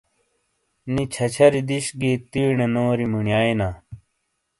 نی چھچھری دش گی تیݨے نوری موݨیایےنا۔